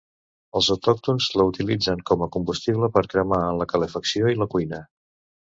Els autòctons la utilitzen com a combustible per cremar en la calefacció i la cuina.